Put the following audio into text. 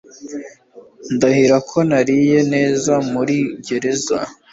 Ndahira ko nariye neza muri gereza